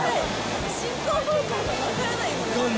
進行方向が分からないぐらい。